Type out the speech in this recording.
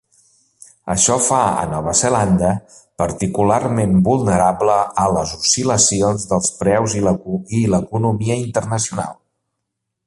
Això fa a Nova Zelanda particularment vulnerable a les oscil·lacions dels preus i l'economia internacional.